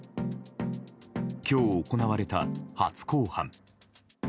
今日行われた初公判。